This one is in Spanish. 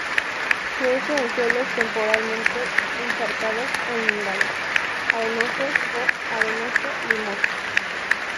Crece en suelos temporalmente encharcados o inundados, arenosos o arenoso-limosos.